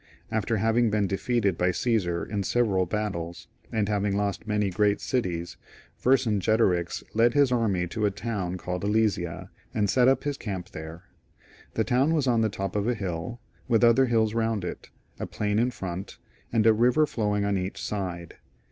After having been defeated by Caesar in several battles, and lost mly great cities, Vercingetorix led his arm; to a town called Alesia, and set up his camp there. The II.] CjESAR in GAUL. 9 town was on the top of a hill, with other hills round it, a plain in front, and a river flowing on each side.